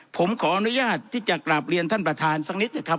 ผมขออนุญาตที่จะกราบเรียนท่านประธานสักนิดนะครับ